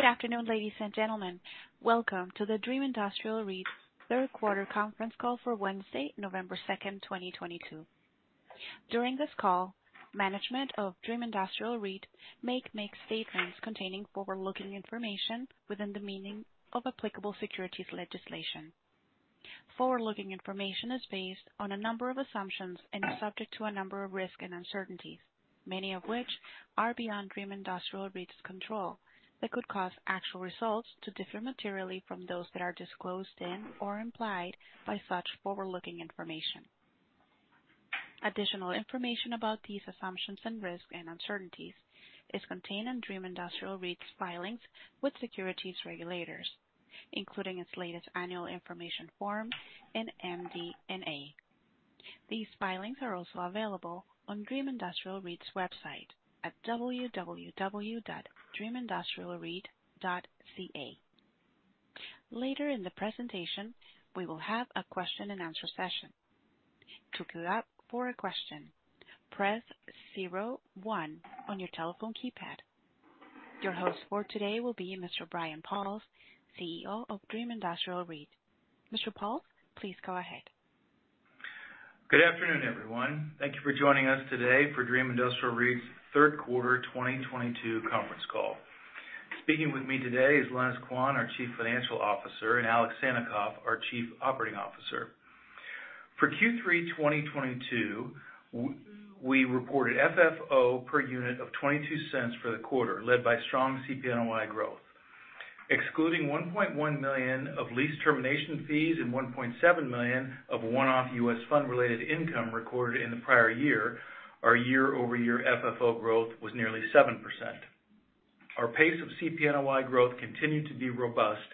Good afternoon, ladies and gentlemen. Welcome to the Dream Industrial REIT Third Quarter Conference Call for Wednesday, November 2, 2022. During this call, management of Dream Industrial REIT may make statements containing forward-looking information within the meaning of applicable securities legislation. Forward-looking information is based on a number of assumptions and are subject to a number of risks and uncertainties, many of which are beyond Dream Industrial REIT's control, that could cause actual results to differ materially from those that are disclosed in or implied by such forward-looking information. Additional information about these assumptions and risks and uncertainties is contained in Dream Industrial REIT's filings with securities regulators, including its latest annual information form and MD&A. These filings are also available on Dream Industrial REIT's website at www.dreamindustrialreit.ca. Later in the presentation, we will have a question-and-answer session. To queue up for a question, press zero one on your telephone keypad. Your host for today will be Mr. Brian Pauls, CEO of Dream Industrial REIT. Mr. Pauls, please go ahead. Good afternoon, everyone. Thank you for joining us today for Dream Industrial REIT's Q3 2022 Conference Call. Speaking with me today is Lenis Quan, our Chief Financial Officer, and Alex Sannikov, our Chief Operating Officer. For Q3 2022, we reported FFO per unit of 0.22 for the quarter, led by strong CP NOI growth. Excluding 1.1 million of lease termination fees and $1.7 million of one-off U.S. fund-related income recorded in the prior year, our year-over-year FFO growth was nearly 7%. Our pace of CP NOI growth continued to be robust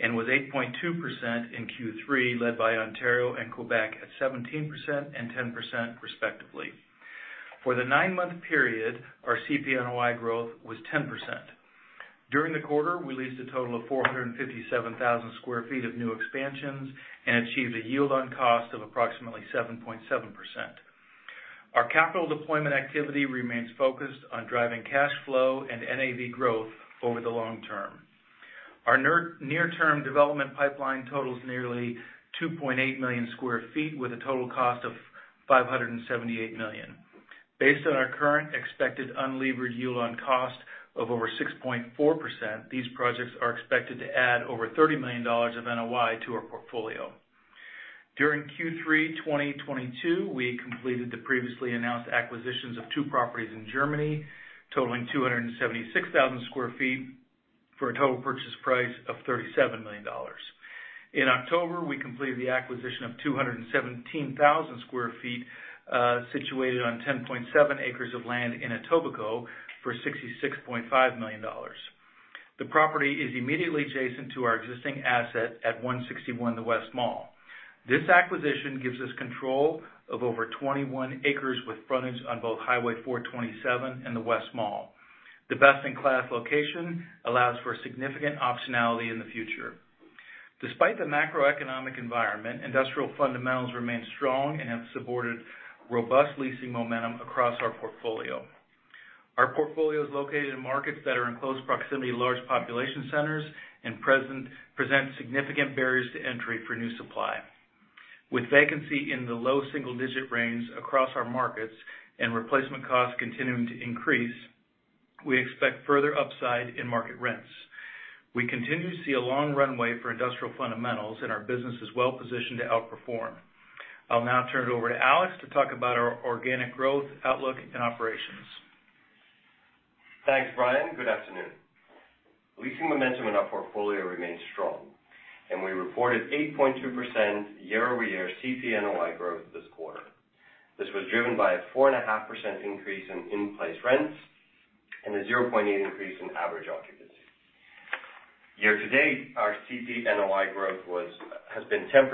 and was 8.2% in Q3, led by Ontario and Quebec at 17% and 10% respectively. For the nine-month period, our CP NOI growth was 10%. During the quarter, we leased a total of 457,000 sq ft of new expansions and achieved a yield on cost of approximately 7.7%. Our capital deployment activity remains focused on driving cash flow and NAV growth over the long term. Our near-term development pipeline totals nearly 2.8 million sq ft with a total cost of 578 million. Based on our current expected unlevered yield on cost of over 6.4%, these projects are expected to add over 30 million dollars of NOI to our portfolio. During Q3 2022, we completed the previously announced acquisitions of two properties in Germany, totaling 276,000 sq ft for a total purchase price of 37 million dollars. In October, we completed the acquisition of 217,000 sq ft situated on 10.7 acres of land in Etobicoke for 66.5 million dollars. The property is immediately adjacent to our existing asset at 161 The West Mall. This acquisition gives us control of over 21 acres with frontage on both Highway 427 and The West Mall. The best-in-class location allows for significant optionality in the future. Despite the macroeconomic environment, industrial fundamentals remain strong and have supported robust leasing momentum across our portfolio. Our portfolio is located in markets that are in close proximity to large population centers and present significant barriers to entry for new supply. With vacancy in the low single-digit range across our markets and replacement costs continuing to increase, we expect further upside in market rents. We continue to see a long runway for industrial fundamentals, and our business is well positioned to outperform. I'll now turn it over to Alex to talk about our organic growth outlook and operations. Thanks, Brian. Good afternoon. Leasing momentum in our portfolio remains strong, and we reported 8.2% year-over-year CP NOI growth this quarter. This was driven by a 4.5% increase in-place rents and a 0.8 percentage point increase in average occupancy. Year to date, our CP NOI growth has been 10%,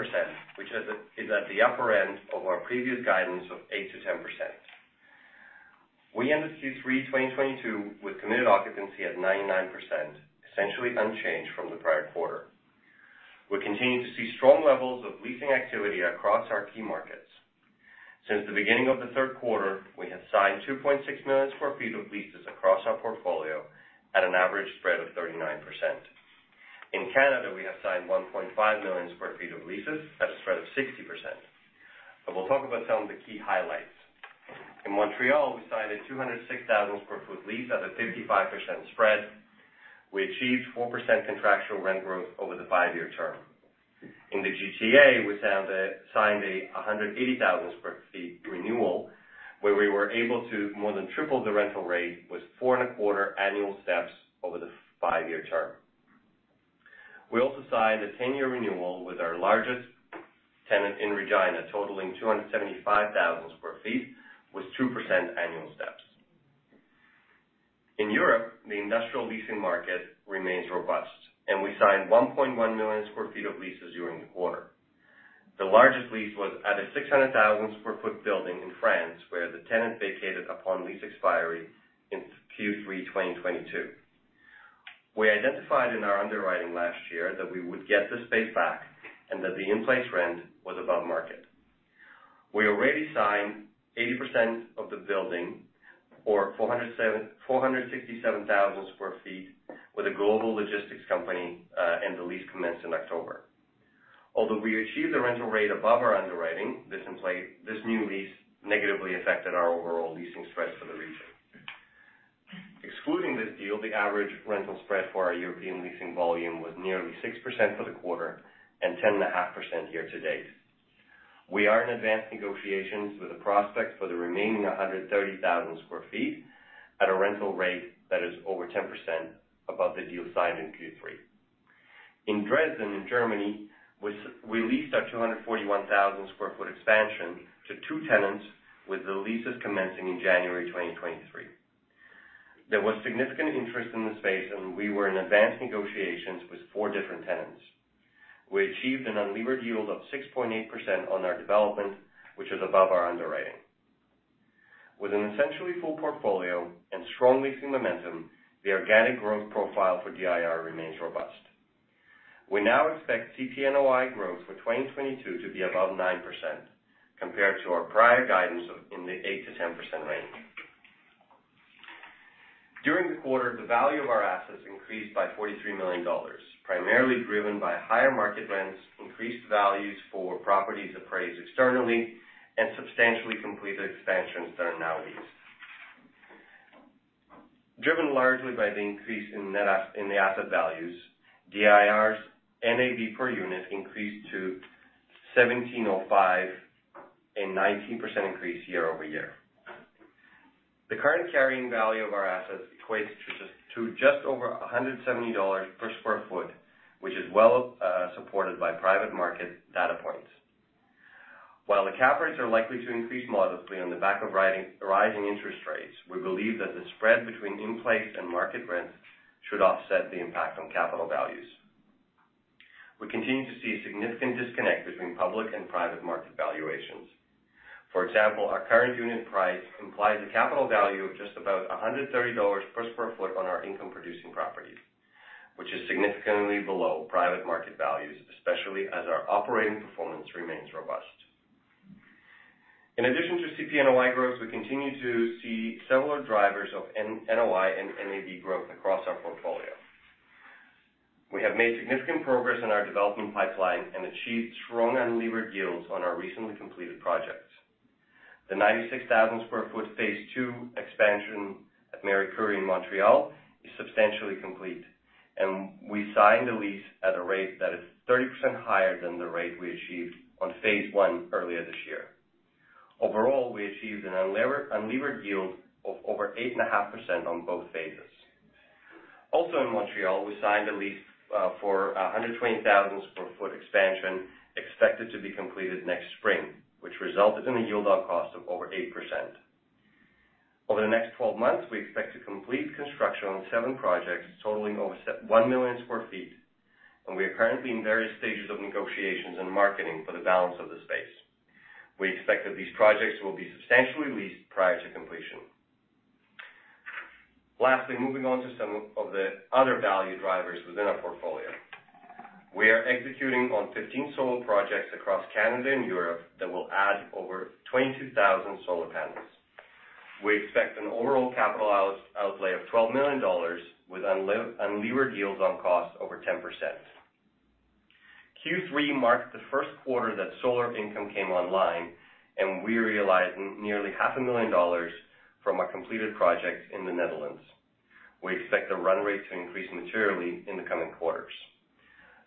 which is at the upper end of our previous guidance of 8%-10%. We ended Q3 2022 with committed occupancy at 99%, essentially unchanged from the prior quarter. We continue to see strong levels of leasing activity across our key markets. Since the beginning of the third quarter, we have signed 2.6 million sq ft of leases across our portfolio at an average spread of 39%. In Canada, we have signed 1.5 million sq ft of leases at a spread of 60%. We'll talk about some of the key highlights. In Montreal, we signed a 206,000 sq ft lease at a 55% spread. We achieved 4% contractual rent growth over the 5-year term. In the GTA, we signed a 180,000 sq ft renewal, where we were able to more than triple the rental rate with 4.25% annual steps over the 5-year term. We also signed a 10-year renewal with our largest tenant in Regina, totaling 275,000 sq ft with 2% annual steps. In Europe, the industrial leasing market remains robust, and we signed 1.1 million sq ft of leases during the quarter. The largest lease was at a 600,000 sq ft building in France, where the tenant vacated upon lease expiry in Q3 2022. We identified in our underwriting last year that we would get the space back and that the in-place rent was above market. We already signed 80% of the building for 467,000 sq ft with a global logistics company, and the lease commenced in October. Although we achieved a rental rate above our underwriting, this new lease negatively affected our overall leasing spreads for the region. Excluding this deal, the average rental spread for our European leasing volume was nearly 6% for the quarter and 10.5% year-to-date. We are in advanced negotiations with a prospect for the remaining 130,000 sq ft at a rental rate that is over 10% above the deal signed in Q3. In Dresden, in Germany, we leased our 241,000 sq ft expansion to two tenants, with the leases commencing in January 2023. There was significant interest in the space, and we were in advanced negotiations with four different tenants. We achieved an unlevered yield of 6.8% on our development, which is above our underwriting. With an essentially full portfolio and strong leasing momentum, the organic growth profile for DIR remains robust. We now expect CP NOI growth for 2022 to be above 9% compared to our prior guidance of in the 8%-10% range. During the quarter, the value of our assets increased by 43 million dollars, primarily driven by higher market rents, increased values for properties appraised externally, and substantially completed expansions that are now leased. Driven largely by the increase in the asset values, DIR's NAV per unit increased to 17.05, a 19% increase year-over-year. The current carrying value of our assets equates to just over 170 dollars per sq ft, which is supported by private market data points. While the cap rates are likely to increase modestly on the back of rising interest rates, we believe that the spread between in-place and market rents should offset the impact on capital values. We continue to see a significant disconnect between public and private market valuations. For example, our current unit price implies a capital value of just about 130 dollars per sq ft on our income-producing properties, which is significantly below private market values, especially as our operating performance remains robust. In addition to CP NOI growth, we continue to see several drivers of NOI and NAV growth across our portfolio. We have made significant progress in our development pipeline and achieved strong unlevered yields on our recently completed projects. The 96,000 sq ft Phase 2 expansion at Marie-Curie in Montreal is substantially complete, and we signed a lease at a rate that is 30% higher than the rate we achieved on Phase 1 earlier this year. Overall, we achieved an unlevered yield of over 8.5% on both phases. In Montreal, we signed a lease for 120,000 sq ft expansion expected to be completed next spring, which resulted in a yield on cost of over 8%. Over the next 12 months, we expect to complete construction on seven projects totaling over 1 million sq ft, and we are currently in various stages of negotiations and marketing for the balance of the space. We expect that these projects will be substantially leased prior to completion. Lastly, moving on to some of the other value drivers within our portfolio. We are executing on 15 solar projects across Canada and Europe that will add over 22,000 solar panels. We expect an overall capital outlay of 12 million dollars with unlevered yields on costs over 10%. Q3 marked the first quarter that solar income came online, and we realized nearly half a million CAD from our completed projects in the Netherlands. We expect the run rate to increase materially in the coming quarters.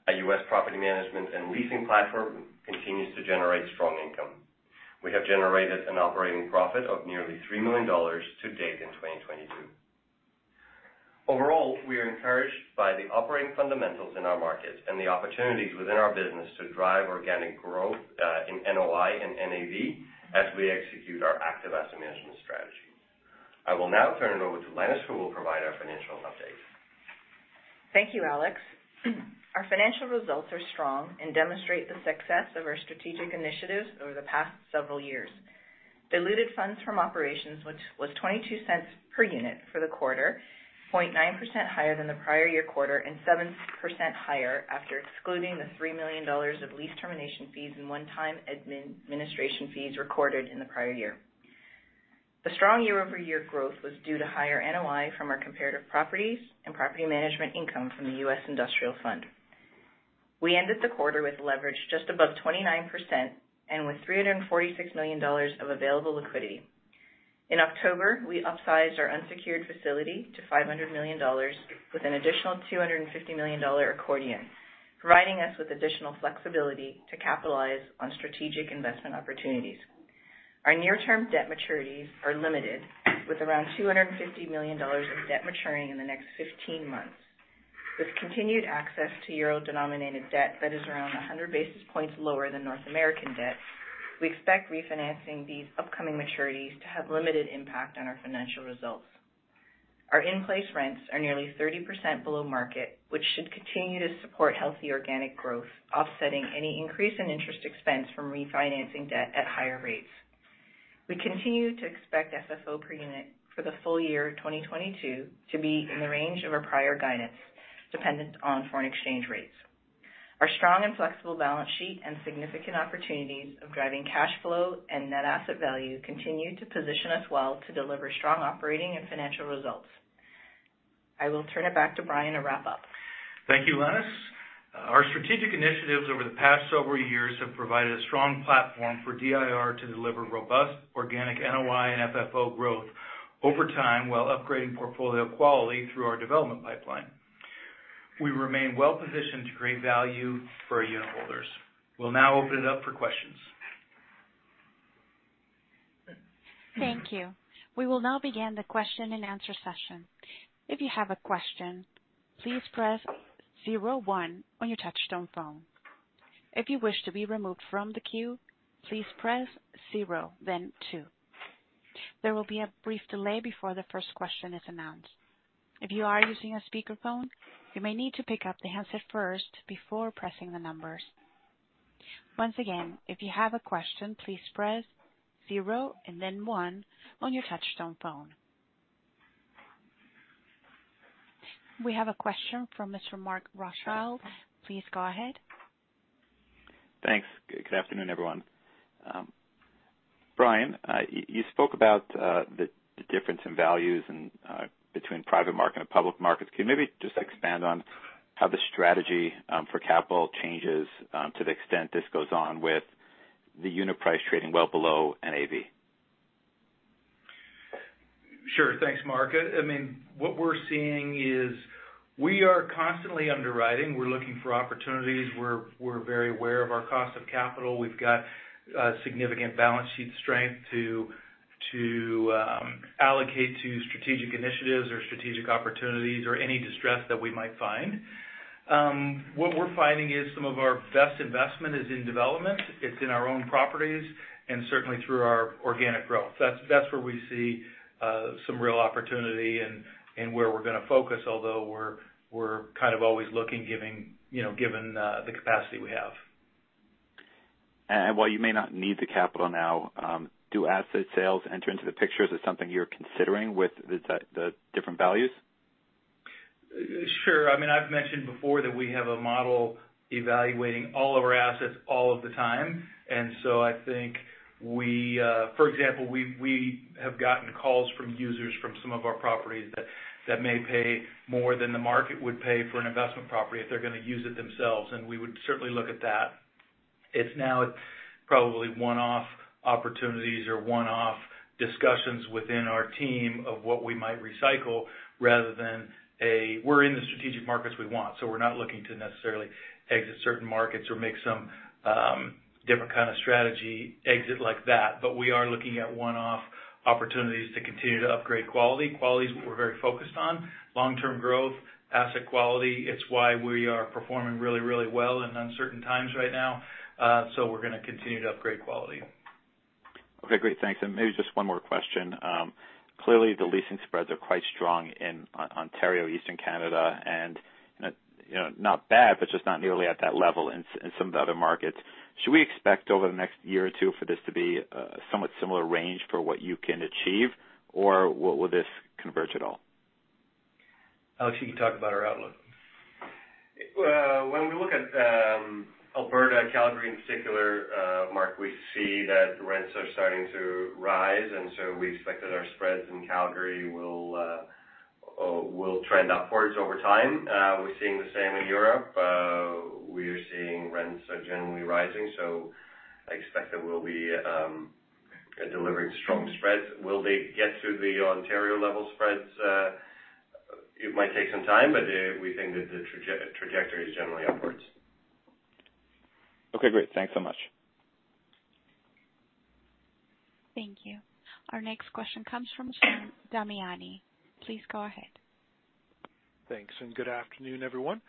Our U.S. property management and leasing platform continues to generate strong income. We have generated an operating profit of nearly 3 million dollars to date in 2022. Overall, we are encouraged by the operating fundamentals in our markets and the opportunities within our business to drive organic growth in NOI and NAV as we execute our active asset management strategy. I will now turn it over to Lenis, who will provide our financial update. Thank you, Alex. Our financial results are strong and demonstrate the success of our strategic initiatives over the past several years. Diluted funds from operations, which was 0.22 per unit for the quarter, 0.9% higher than the prior year quarter and 7% higher after excluding 3 million dollars of lease termination fees and one-time administration fees recorded in the prior year. The strong year-over-year growth was due to higher NOI from our comparative properties and property management income from the Dream U.S. Industrial Fund. We ended the quarter with leverage just above 29% and with 346 million dollars of available liquidity. In October, we upsized our unsecured facility to 500 million dollars with an additional 250 million dollar accordion, providing us with additional flexibility to capitalize on strategic investment opportunities. Our near-term debt maturities are limited with around 250 million dollars of debt maturing in the next 15 months. With continued access to euro-denominated debt that is around 100 basis points lower than North American debt, we expect refinancing these upcoming maturities to have limited impact on our financial results. Our in-place rents are nearly 30% below market, which should continue to support healthy organic growth, offsetting any increase in interest expense from refinancing debt at higher rates. We continue to expect FFO per unit for the full year 2022 to be in the range of our prior guidance, dependent on foreign exchange rates. Our strong and flexible balance sheet and significant opportunities of driving cash flow and net asset value continue to position us well to deliver strong operating and financial results. I will turn it back to Brian to wrap up. Thank you, Lenis. Our strategic initiatives over the past several years have provided a strong platform for DIR to deliver robust organic NOI and FFO growth over time while upgrading portfolio quality through our development pipeline. We remain well-positioned to create value for our unitholders. We'll now open it up for questions. Thank you. We will now begin the question-and-answer session. If you have a question, please press zero one on your touchtone phone. If you wish to be removed from the queue, please press zero, then two. There will be a brief delay before the first question is announced. If you are using a speakerphone, you may need to pick up the handset first before pressing the numbers. Once again, if you have a question, please press zero and then one on your touchtone phone. We have a question from Mr. Mark Rothschild. Please go ahead. Thanks. Good afternoon, everyone. Brian, you spoke about the difference in values and between private market and public markets. Can you maybe just expand on how the strategy for capital changes to the extent this goes on with the unit price trading well below NAV? Sure. Thanks, Mark. I mean, what we're seeing is we are constantly underwriting. We're looking for opportunities. We're very aware of our cost of capital. We've got significant balance sheet strength to allocate to strategic initiatives or strategic opportunities or any distress that we might find. What we're finding is some of our best investment is in development. It's in our own properties and certainly through our organic growth. That's where we see some real opportunity and where we're gonna focus, although we're kind of always looking, you know, given the capacity we have. While you may not need the capital now, do asset sales enter into the picture? Is it something you're considering with the different values? Sure. I mean, I've mentioned before that we have a model evaluating all of our assets all of the time. I think, for example, we have gotten calls from users from some of our properties that may pay more than the market would pay for an investment property if they're gonna use it themselves, and we would certainly look at that. It's now probably one-off opportunities or one-off discussions within our team of what we might recycle rather than a. We're in the strategic markets we want, so we're not looking to necessarily exit certain markets or make some different kind of strategy exit like that. We are looking at one-off opportunities to continue to upgrade quality. Quality is what we're very focused on. Long-term growth, asset quality, it's why we are performing really, really well in uncertain times right now. We're gonna continue to upgrade quality. Okay, great. Thanks. Maybe just one more question. Clearly, the leasing spreads are quite strong in Ontario, Eastern Canada, and, you know, not bad, but just not nearly at that level in some of the other markets. Should we expect over the next year or two for this to be a somewhat similar range for what you can achieve, or will this converge at all? Alex, you can talk about our outlook. Well, when we look at Alberta, Calgary in particular, Mark, we see that rents are starting to rise, and so we expect that our spreads in Calgary will trend upwards over time. We're seeing the same in Europe. We are seeing rents are generally rising, so I expect that we'll be delivering strong spreads. Will they get to the Ontario level spreads? It might take some time, but we think that the trajectory is generally upwards. Okay, great. Thanks so much. Thank you. Our next question comes from Sam Damiani. Please go ahead. Thanks, good afternoon, everyone.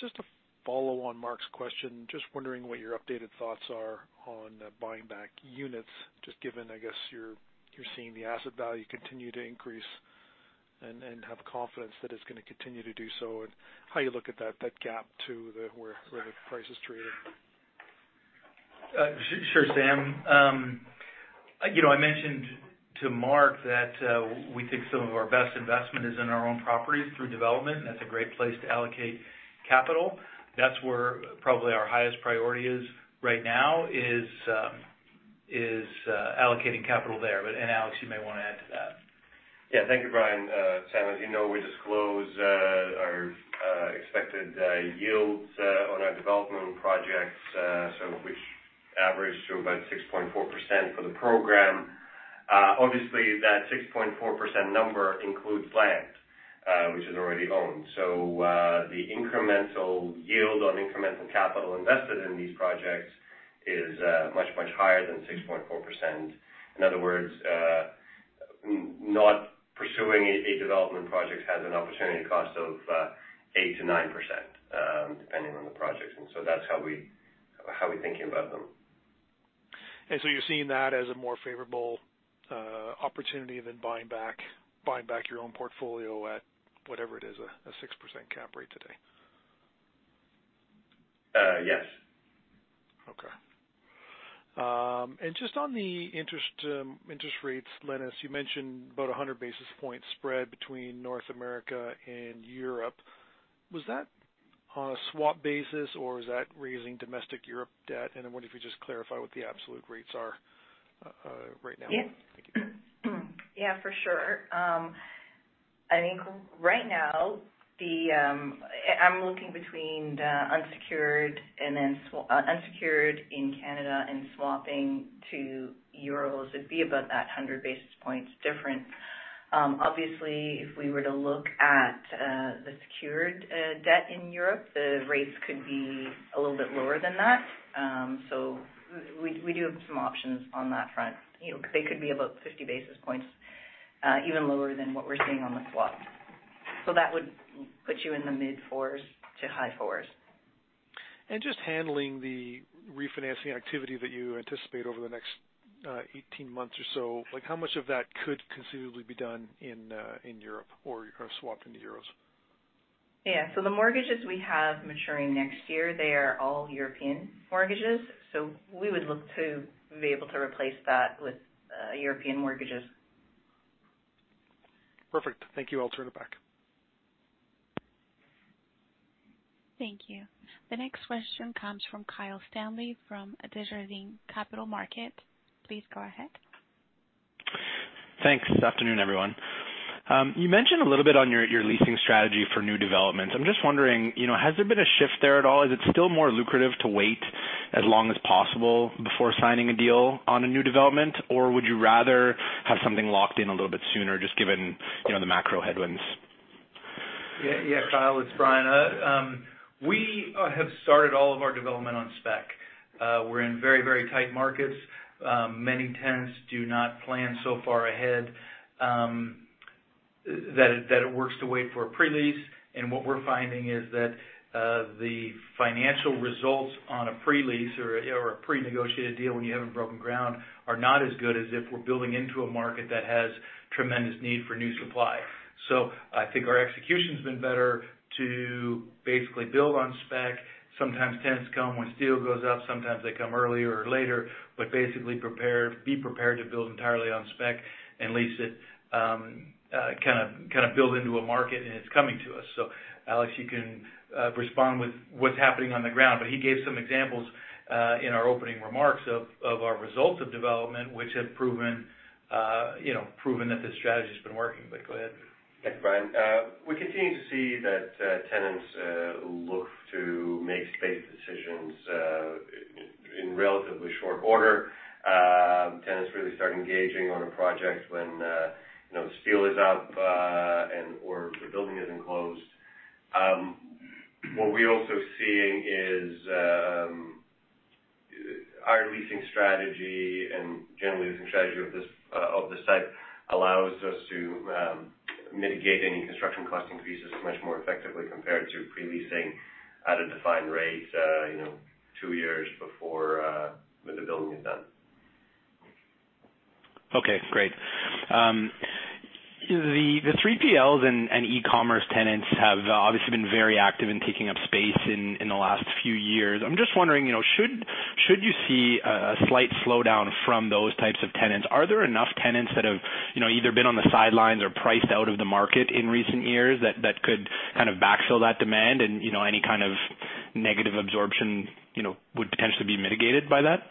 Just to follow on Mark's question, just wondering what your updated thoughts are on buying back units, just given, I guess, you're seeing the asset value continue to increase and have confidence that it's gonna continue to do so, and how you look at that gap to where the price is trading. Sure, Sam. You know, I mentioned to Mark that we think some of our best investment is in our own properties through development, and that's a great place to allocate capital. That's where probably our highest priority is right now, allocating capital there. Alex, you may wanna add to that. Yeah. Thank you, Brian. Sam, as you know, we disclose our expected yields on our development projects, which average to about 6.4% for the program. Obviously, that 6.4% number includes land, which is already owned. The incremental yield on incremental capital invested in these projects is much higher than 6.4%. In other words, not pursuing a development project has an opportunity cost of 8%-9%, depending on the projects. That's how we're thinking about them. You're seeing that as a more favorable opportunity than buying back your own portfolio at whatever it is, a 6% cap rate today? Yes. Okay. Just on the interest rates, Lenis Quan, you mentioned about 100 basis points spread between North America and Europe. Was that on a swap basis or is that raising domestic Europe debt? I wonder if you just clarify what the absolute rates are right now. Yeah. Thank you. Yeah, for sure. I think right now I'm looking between the unsecured and then unsecured in Canada and swapping to euros, it'd be about that 100 basis points different. Obviously if we were to look at the secured debt in Europe, the rates could be a little bit lower than that. We do have some options on that front. You know, they could be about 50 basis points even lower than what we're seeing on the swap. That would put you in the mid-4s to high-4s. Just handling the refinancing activity that you anticipate over the next 18 months or so, like how much of that could conceivably be done in Europe or swapped into euros? Yeah. The mortgages we have maturing next year, they are all European mortgages. We would look to be able to replace that with European mortgages. Perfect. Thank you. I'll turn it back. Thank you. The next question comes from Kyle Stanley from Desjardins Capital Markets. Please go ahead. Thanks. Good afternoon, everyone. You mentioned a little bit on your leasing strategy for new developments. I'm just wondering, you know, has there been a shift there at all? Is it still more lucrative to wait as long as possible before signing a deal on a new development, or would you rather have something locked in a little bit sooner just given, you know, the macro headwinds? Yeah. Yeah, Kyle, it's Brian. We have started all of our development on spec. We're in very tight markets. Many tenants do not plan so far ahead, that it works to wait for a pre-lease. What we're finding is that the financial results on a pre-lease or a pre-negotiated deal when you haven't broken ground are not as good as if we're building into a market that has tremendous need for new supply. I think our execution's been better to basically build on spec. Sometimes tenants come when steel goes up, sometimes they come earlier or later, but basically prepare, be prepared to build entirely on spec and lease it, kind of build into a market and it's coming to us. Alex, you can respond with what's happening on the ground, but he gave some examples in our opening remarks of our results of development, which have proven you know proven that the strategy's been working. Go ahead. Yeah, Brian. We continue to see that tenants look to make space decisions in relatively short order. Tenants really start engaging on a project when you know steel is up and/or the building is enclosed. What we're also seeing is our leasing strategy and generally leasing strategy of this type allows us to mitigate any construction cost increases much more effectively compared to pre-leasing at a defined rate you know two years before when the building is done. Okay, great. The 3PLs and e-commerce tenants have obviously been very active in taking up space in the last few years. I'm just wondering, you know, should you see a slight slowdown from those types of tenants? Are there enough tenants that have, you know, either been on the sidelines or priced out of the market in recent years that could kind of backfill that demand and, you know, any kind of negative absorption would potentially be mitigated by that?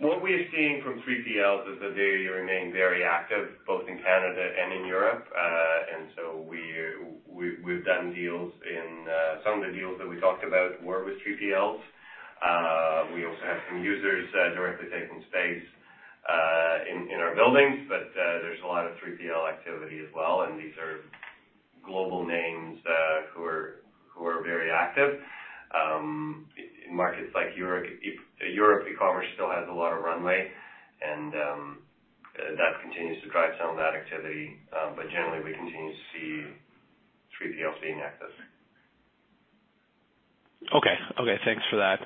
What we are seeing from 3PLs is that they remain very active both in Canada and in Europe. We've done deals. In some of the deals that we talked about were with 3PLs. We also have some users directly taking space in our buildings, but there's a lot of 3PL activity as well, and these are global names who are very active. In markets like Europe, e-commerce still has a lot of runway and that continues to drive some of that activity. Generally we continue to see 3PLs being active. Okay, thanks for that.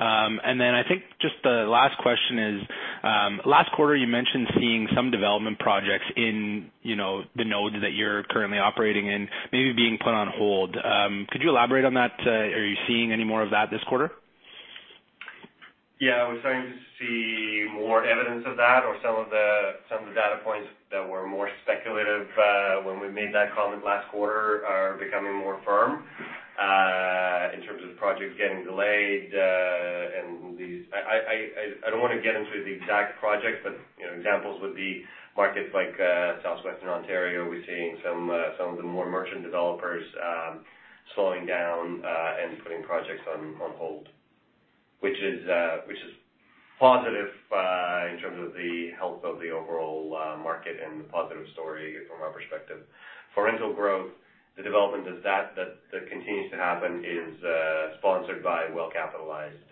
I think just the last question is, last quarter you mentioned seeing some development projects in, you know, the nodes that you're currently operating in, maybe being put on hold. Could you elaborate on that? Are you seeing any more of that this quarter? Yeah, we're starting to see more evidence of that or some of the data points that were more speculative when we made that comment last quarter are becoming more firm in terms of projects getting delayed. I don't want to get into the exact projects, but you know, examples would be markets like Southwestern Ontario. We're seeing some of the more merchant developers slowing down and putting projects on hold. Which is positive in terms of the health of the overall market and the positive story from our perspective. For rental growth, the development of that continues to happen is sponsored by well-capitalized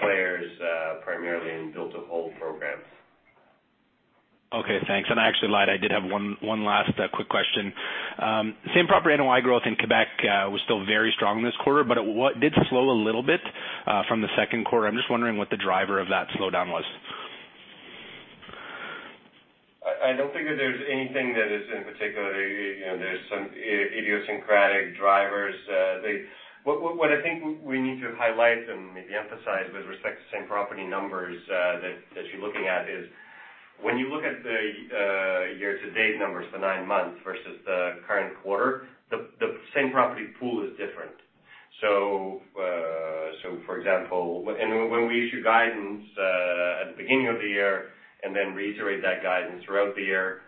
players primarily in build-to-hold programs. Okay, thanks. I actually lied. I did have one last quick question. Same property NOI growth in Quebec was still very strong this quarter, but it did slow a little bit from the second quarter. I'm just wondering what the driver of that slowdown was. I don't think that there's anything that is in particular, you know. There's some idiosyncratic drivers. What I think we need to highlight and maybe emphasize with respect to same property numbers that you're looking at is when you look at the year-to-date numbers for nine months versus the current quarter, the same property pool is different. For example, when we issue guidance at the beginning of the year and then reiterate that guidance throughout the year,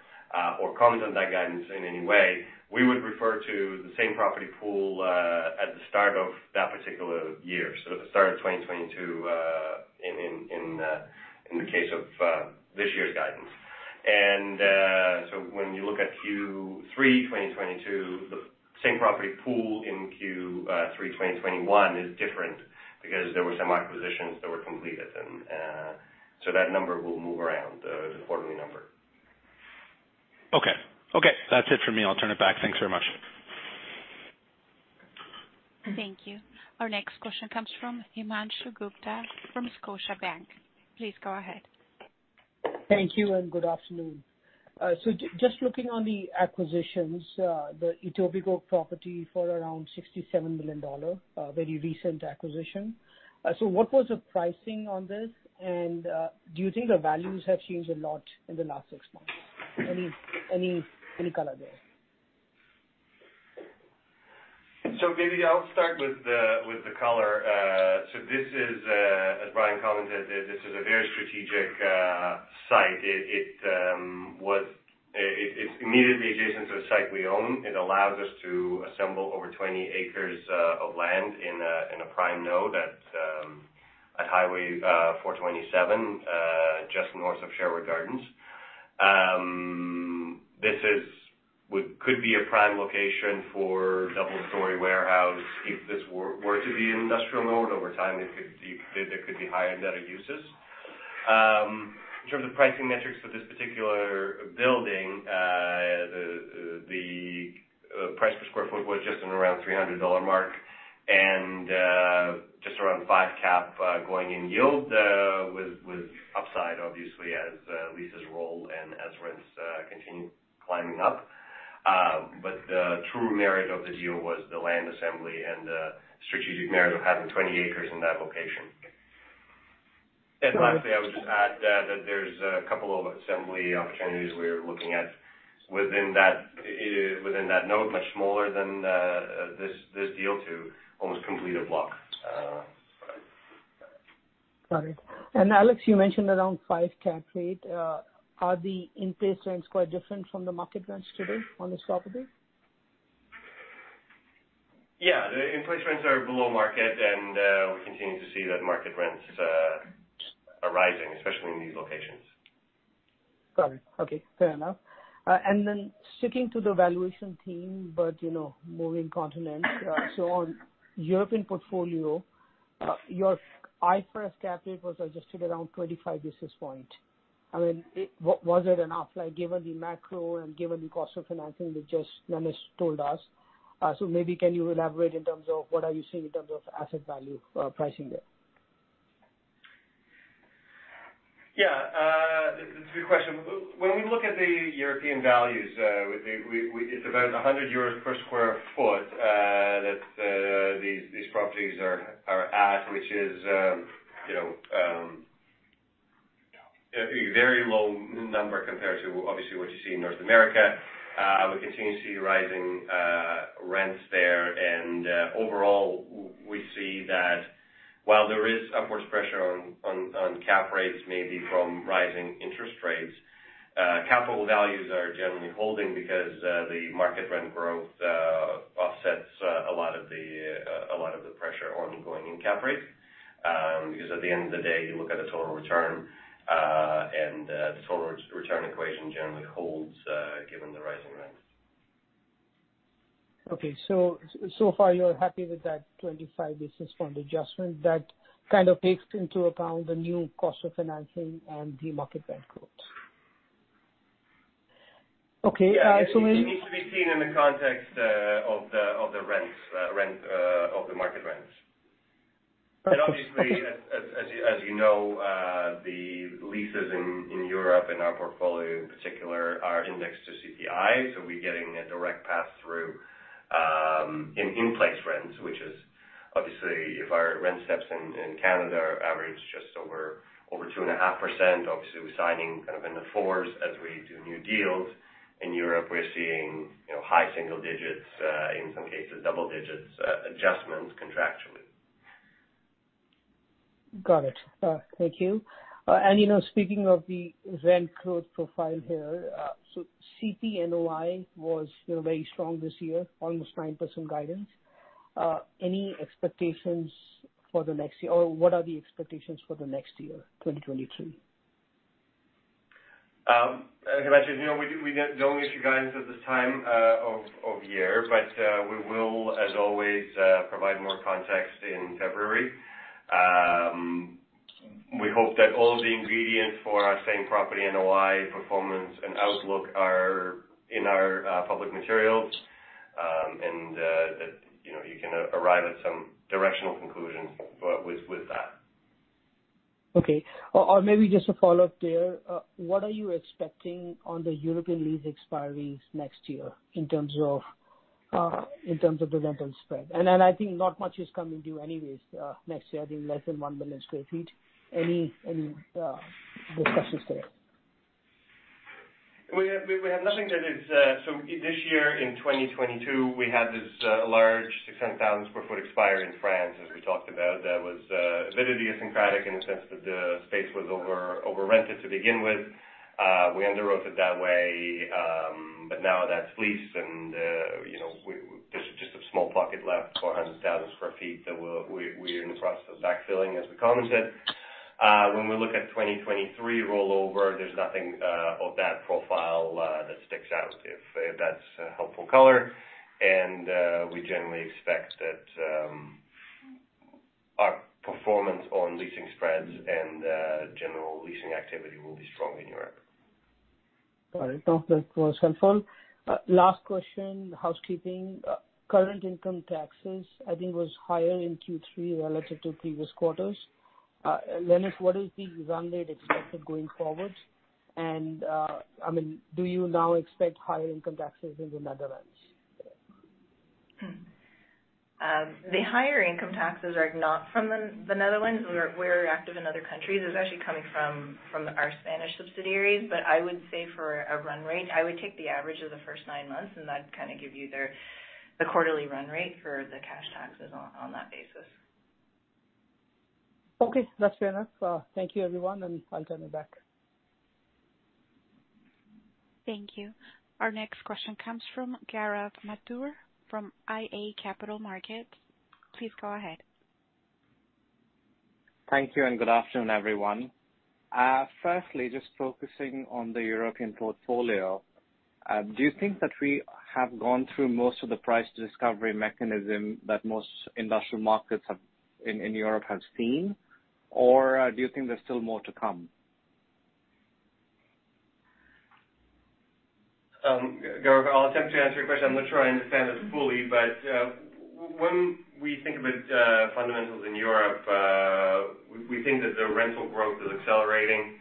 or comment on that guidance in any way, we would refer to the same property pool at the start of that particular year, so the start of 2022, in the case of this year's guidance. When you look at Q3 2022, the same property pool in Q3 2021 is different because there were some acquisitions that were completed. That number will move around the quarterly number. Okay. Okay, that's it for me. I'll turn it back. Thanks very much. Thank you. Our next question comes from Himanshu Gupta from Scotiabank. Please go ahead. Thank you, and good afternoon. Just looking on the acquisitions, the Etobicoke property for around 67 million dollar, a very recent acquisition. What was the pricing on this? Do you think the values have changed a lot in the last six months? Any color there? Maybe I'll start with the color. As Brian commented, this is a very strategic site. It's immediately adjacent to a site we own. It allows us to assemble over 20 acres of land in a prime node at Highway 427 just north of Sherway Gardens. This could be a prime location for double-story warehouse. If this were to be an industrial node over time, there could be higher and better uses. In terms of pricing metrics for this particular building, the price per sq ft was just around 300 dollar mark and just around 5 cap going in yield with upside obviously as leases roll and as rents continue climbing up. The true merit of the deal was the land assembly and the strategic merit of having 20 acres in that location. Lastly, I would just add that there's a couple of assembly opportunities we're looking at within that node, much smaller than this deal to almost complete a block. Got it. Alex, you mentioned around 5 cap rate. Are the in-place rents quite different from the market rents today on this property? Yeah. The in-place rents are below market, and we continue to see that market rents are rising, especially in these locations. Got it. Okay. Fair enough. Sticking to the valuation theme, but you know, moving continents. On European portfolio, your IFRS cap rate was adjusted around 25 basis points. I mean, was it enough, like, given the macro and given the cost of financing that just Lenis told us? Maybe can you elaborate in terms of what are you seeing in terms of asset value, pricing there? Yeah. It's a good question. When we look at the European values, it's about 100 euros per sq ft that these properties are at, which is, you know, a very low number compared to obviously what you see in North America. We continue to see rising rents there. Overall, we see that while there is upward pressure on cap rates maybe from rising interest rates, capital values are generally holding because the market rent growth offsets a lot of the pressure on going in cap rates, because at the end of the day, you look at the total return and the total return equation generally holds given the rising rents. Okay. So far you're happy with that 25 basis point adjustment that kind of takes into account the new cost of financing and the market rent growth. Okay, when you Yeah. It needs to be seen in the context of the market rents. Okay. Obviously, as you know, the leases in Europe in our portfolio in particular are indexed to CPI. We're getting a direct pass-through in-place rents, which is obviously if our rent steps in Canada are average just over 2.5%, obviously we're signing kind of in the fours as we do new deals. In Europe, we're seeing, you know, high single digits, in some cases double digits, adjustments contractually. Got it. Thank you. You know, speaking of the rent growth profile here, CP NOI was, you know, very strong this year, almost 9% guidance. Any expectations for the next year, or what are the expectations for the next year, 2023? As I mentioned, you know, we don't issue guidance at this time of year, but we will as always provide more context in February. We hope that all of the ingredients for our same property NOI performance and outlook are in our public materials, and that, you know, you can arrive at some directional conclusions with that. Okay. Maybe just a follow-up there. What are you expecting on the European lease expiries next year in terms of the rental spread? Then I think not much is coming due anyways, next year, I think less than 1 million sq ft. Any discussions there? We have nothing that is. This year, in 2022, we had this large 600,000 sq ft expire in France, as we talked about, that was a bit idiosyncratic in the sense that the space was over-rented to begin with. We underwrote it that way, but now that's leased and, you know, there's just a small pocket left, 400,000 sq ft, that we're in the process of backfilling, as we commented. When we look at 2023 rollover, there's nothing of that profile that sticks out, if that's a helpful color. We generally expect that our performance on leasing spreads and general leasing activity will be strong in Europe. Got it. No, that was helpful. Last question, housekeeping. Current income taxes, I think, was higher in Q3 relative to previous quarters. Lenis, what is the run rate expected going forward? I mean, do you now expect higher income taxes in the Netherlands? The higher income taxes are not from the Netherlands. We're active in other countries. It's actually coming from our Spanish subsidiaries. I would say for a run rate, I would take the average of the first nine months, and that'd kind of give you the quarterly run rate for the cash taxes on that basis. Okay. That's fair enough. Thank you everyone, and I'll turn it back. Thank you. Our next question comes from Gaurav Mathur from iA Capital Markets. Please go ahead. Thank you, and good afternoon, everyone. Firstly, just focusing on the European portfolio, do you think that we have gone through most of the price discovery mechanism that most industrial markets in Europe have seen? Or do you think there's still more to come? Gaurav, I'll attempt to answer your question. I'm not sure I understand it fully. When we think about fundamentals in Europe, we think that the rental growth is accelerating.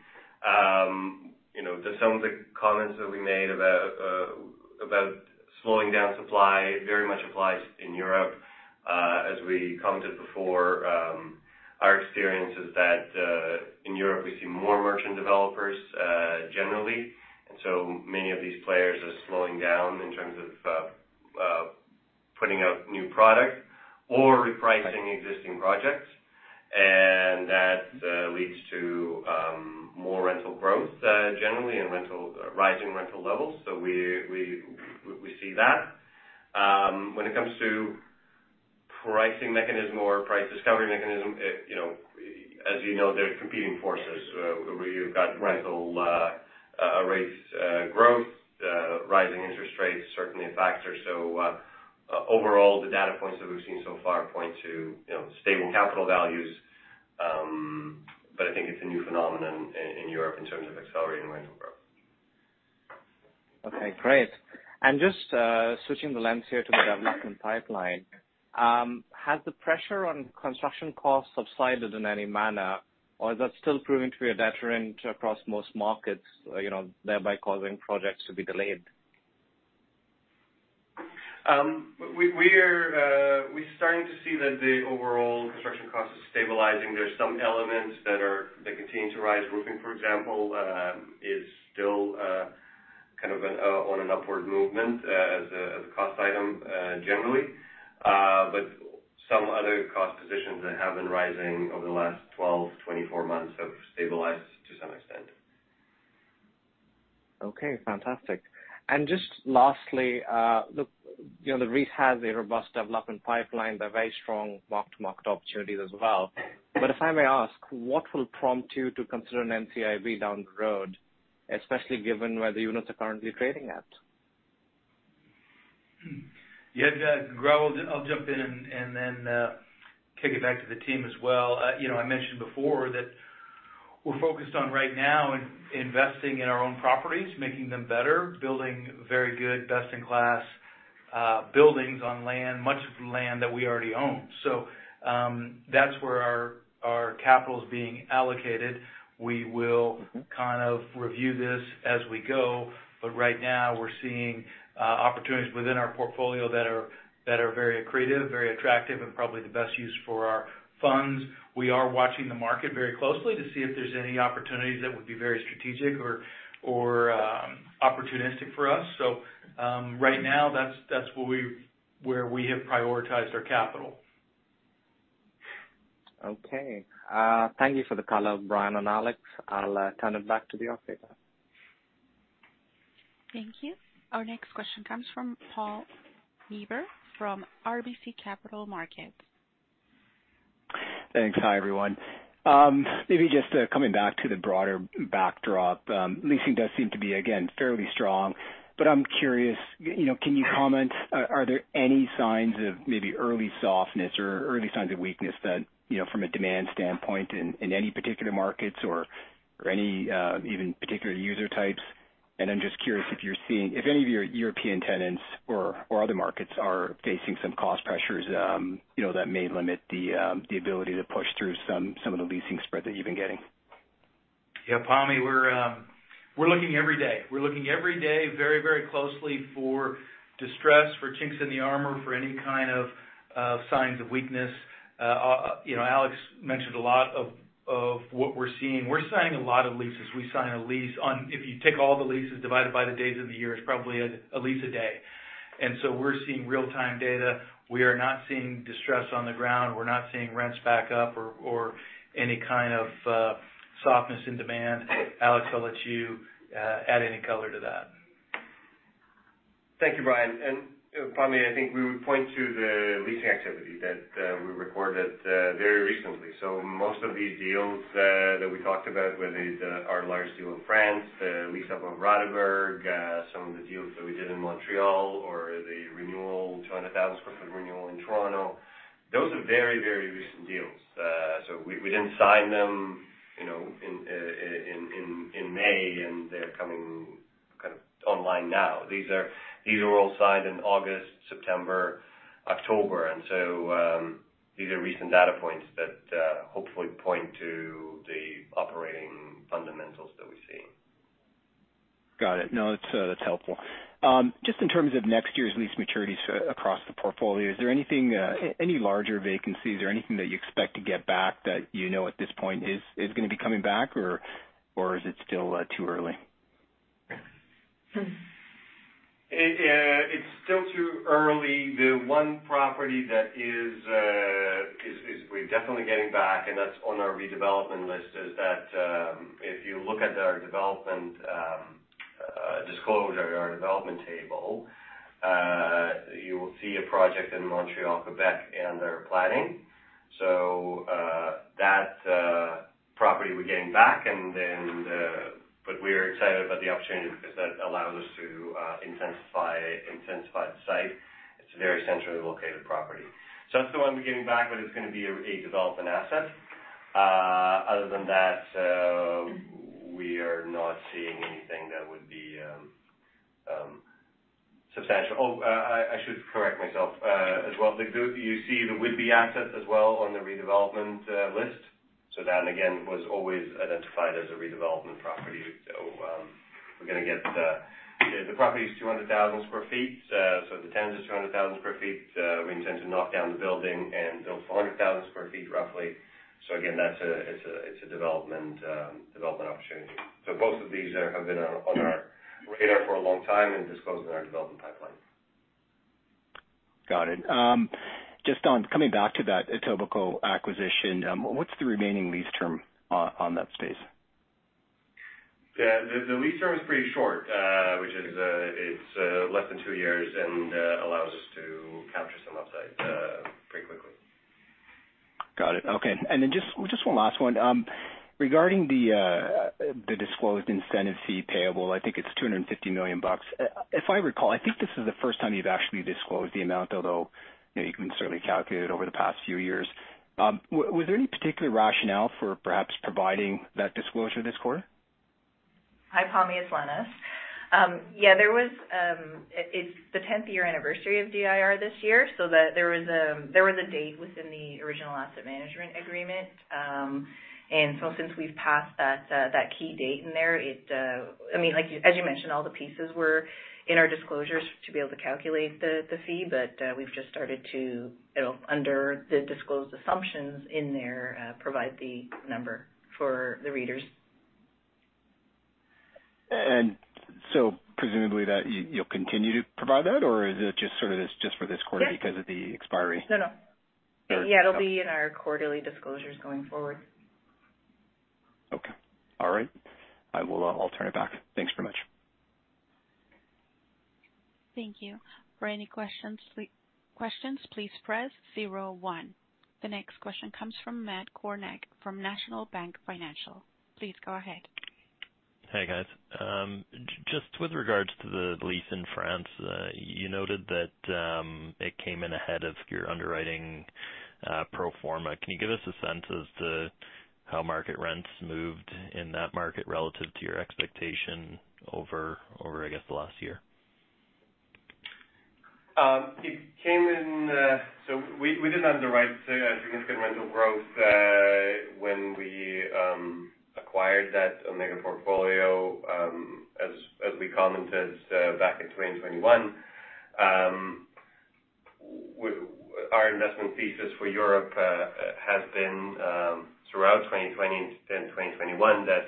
You know, to some of the comments that we made about slowing down supply, very much applies in Europe. As we commented before, our experience is that in Europe, we see more merchant developers generally, and so many of these players are slowing down in terms of putting out new product or repricing existing projects. That leads to more rental growth generally, and rising rental levels. We see that. When it comes to pricing mechanism or price discovery mechanism, you know, as you know, there are competing forces. Where you've got rental rates growth, rising interest rates certainly a factor. Overall, the data points that we've seen so far point to, you know, stable capital values. I think it's a new phenomenon in Europe in terms of accelerating rental growth. Okay, great. Just, switching the lens here to the development pipeline, has the pressure on construction costs subsided in any manner, or is that still proving to be a deterrent across most markets, you know, thereby causing projects to be delayed? We're starting to see that the overall construction cost is stabilizing. There's some elements that continue to rise. Roofing, for example, is still kind of on an upward movement as a cost item, generally. Some other cost positions that have been rising over the last 12-24 months have stabilized to some extent. Okay, fantastic. Just lastly, look, you know, the REIT has a robust development pipeline. They're very strong market opportunities as well. If I may ask, what will prompt you to consider an NCIB down the road, especially given where the units are currently trading at? Yeah, Gaurav, I'll jump in and then kick it back to the team as well. You know, I mentioned before that we're focused on right now investing in our own properties, making them better, building very good, best-in-class buildings on land, much of the land that we already own. That's where our capital is being allocated. We will. Mm-hmm. Kind of review this as we go, but right now we're seeing opportunities within our portfolio that are very accretive, very attractive, and probably the best use for our funds. We are watching the market very closely to see if there's any opportunities that would be very strategic or opportunistic for us. Right now, that's where we have prioritized our capital. Okay. Thank you for the color, Brian and Alex. I'll turn it back to the operator. Thank you. Our next question comes from Pammi Bir from RBC Capital Markets. Thanks. Hi, everyone. Maybe just coming back to the broader backdrop, leasing does seem to be, again, fairly strong. I'm curious, you know, can you comment, are there any signs of maybe early softness or early signs of weakness that, you know, from a demand standpoint in any particular markets or any even particular user types? I'm just curious if you're seeing if any of your European tenants or other markets are facing some cost pressures, you know, that may limit the ability to push through some of the leasing spread that you've been getting. Yeah, Pammi, we're looking every day. We're looking every day very closely for distress, for chinks in the armor, for any kind of signs of weakness. You know, Alex Sannikov mentioned a lot of what we're seeing. We're signing a lot of leases. We sign a lease. If you take all the leases divided by the days of the year, it's probably a lease a day. We're seeing real-time data. We are not seeing distress on the ground. We're not seeing rents back up or any kind of softness in demand. Alex Sannikov, I'll let you add any color to that. Thank you, Brian. You know, Pammi, I think we would point to the leasing activity that we recorded very recently. Most of these deals that we talked about, whether it's our large deal in France, the lease up on Rothenburg, some of the deals that we did in Montreal or the renewal, 200,000 sq ft renewal in Toronto, those are very, very recent deals. We didn't sign them, you know, in May, and they're coming kind of online now. These are all signed in August, September, October. These are recent data points that hopefully point to the operating fundamentals that we're seeing. Got it. No, it's, that's helpful. Just in terms of next year's lease maturities across the portfolio, is there anything, any larger vacancies or anything that you expect to get back that you know at this point is gonna be coming back, or is it still, too early? It's still too early. The one property that we're definitely getting back, and that's on our redevelopment list, is that if you look at our development disclosure, our development table, you will see a project in Montreal, Quebec, under planning. That property we're getting back and then but we're excited about the opportunity because that allows us to intensify the site. It's a very centrally located property. That's the one we're getting back, but it's gonna be a development asset. Other than that, we are not seeing anything that would be substantial. I should correct myself, as well. The one that you see, the Whitby asset as well on the redevelopment list. That again was always identified as a redevelopment property. We're gonna get the property is 200,000 sq ft. The tenant is 200,000 sq ft. We intend to knock down the building and build 400,000 sq ft roughly. That's a development opportunity. Both of these have been on our radar for a long time and disclosed in our development pipeline. Got it. Just on coming back to that Etobicoke acquisition, what's the remaining lease term on that space? Yeah. The lease term is pretty short, which is less than two years and allows us to capture some upside pretty quickly. Got it. Okay. Just one last one. Regarding the disclosed incentive fee payable, I think it's 250 million bucks. If I recall, I think this is the first time you've actually disclosed the amount, although, you know, you can certainly calculate it over the past few years. Was there any particular rationale for perhaps providing that disclosure this quarter? Hi, Pammi. It's Lenis. Yeah, there was it's the tenth-year anniversary of DIR this year, so there was a date within the original asset management agreement. Since we've passed that key date in there, it. I mean, like you, as you mentioned, all the pieces were in our disclosures to be able to calculate the fee, but we've just started to, you know, under the disclosed assumptions in there, provide the number for the readers. Presumably that you'll continue to provide that, or is it just sort of this, just for this quarter? Yes. Because of the expiry? No, no. All right. Yeah, it'll be in our quarterly disclosures going forward. Okay. All right. I will, I'll turn it back. Thanks very much. Thank you. For any questions, please press zero one. The next question comes from Matt Kornack from National Bank Financial. Please go ahead. Hey, guys. Just with regards to the lease in France, you noted that it came in ahead of your underwriting pro forma. Can you give us a sense as to how market rents moved in that market relative to your expectation over, I guess, the last year? It came in. We didn't underwrite significant rental growth when we acquired that Omega portfolio, as we commented back in 2021. Our investment thesis for Europe has been throughout 2020 and 2021 that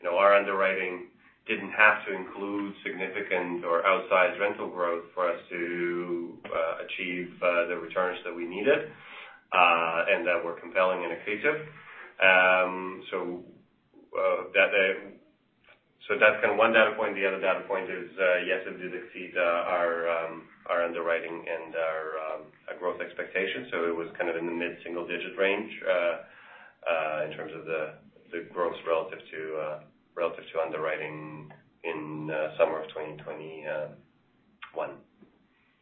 you know, our underwriting didn't have to include significant or outsized rental growth for us to achieve the returns that we needed and that were compelling and accretive. That's kind of one data point. The other data point is, yes, it did exceed our underwriting and our growth expectations. It was kind of in the mid-single-digit range in terms of the growth relative to underwriting in summer of 2021.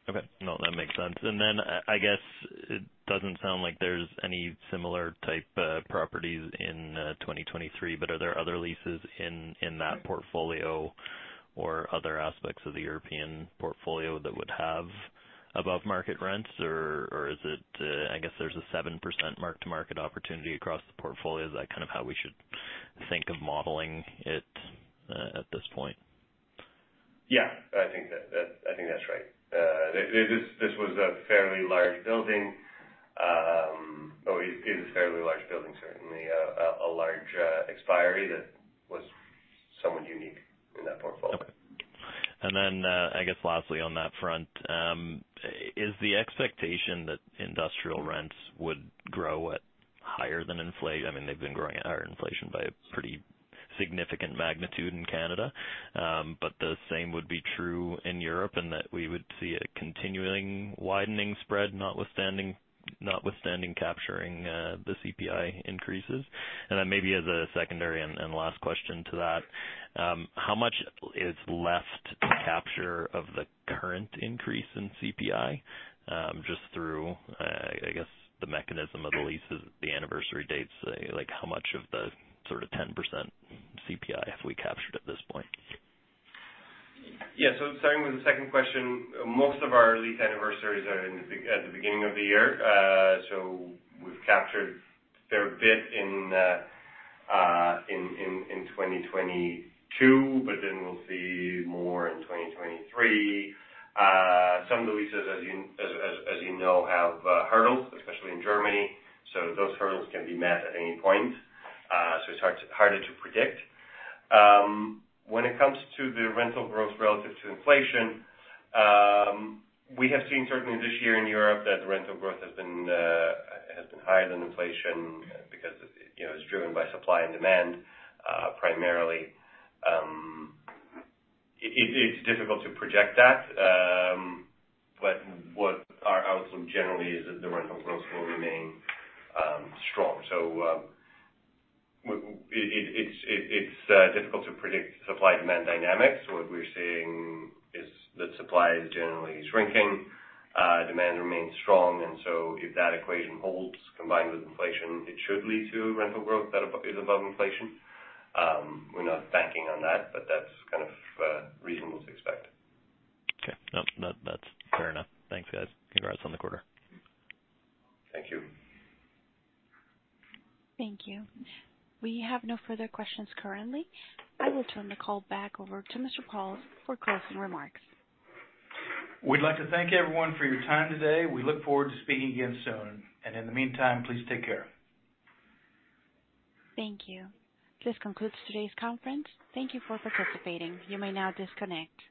Okay. No, that makes sense. I guess it doesn't sound like there's any similar type properties in 2023, but are there other leases in that portfolio or other aspects of the European portfolio that would have above market rents? Or is it, I guess there's a 7% mark-to-market opportunity across the portfolio. Is that kind of how we should think of modeling it at this point? Yeah, I think that's right. This was a fairly large building, or it is a fairly large building, certainly. A large expiry that was somewhat unique in that portfolio. Okay. I guess lastly on that front, is the expectation that industrial rents would grow at higher than inflation? I mean, they've been growing at higher inflation by a pretty significant magnitude in Canada, but the same would be true in Europe and that we would see a continuing widening spread notwithstanding capturing the CPI increases. Maybe as a secondary and last question to that, how much is left to capture of the current increase in CPI, just through the mechanism of the leases, the anniversary dates? Like, how much of the sort of 10% CPI have we captured at this point? Yeah. Starting with the second question, most of our lease anniversaries are at the beginning of the year. We've captured the rent in 2022, but then we'll see more in 2023. Some of the leases, as you know, have hurdles, especially in Germany, so those hurdles can be met at any point. It's harder to predict. When it comes to the rental growth relative to inflation, we have seen certainly this year in Europe that rental growth has been higher than inflation because, you know, it's driven by supply and demand, primarily. It's difficult to project that. What our outlook generally is that the rental growth will remain strong. It's difficult to predict supply/demand dynamics. What we're seeing is that supply is generally shrinking. Demand remains strong, and so if that equation holds combined with inflation, it should lead to rental growth that is above inflation. We're not banking on that, but that's kind of reasonable to expect. Okay. No, that's fair enough. Thanks, guys. Congrats on the quarter. Thank you. Thank you. We have no further questions currently. I will turn the call back over to Mr. Pauls for closing remarks. We'd like to thank everyone for your time today. We look forward to speaking again soon. In the meantime, please take care. Thank you. This concludes today's conference. Thank you for participating. You may now disconnect.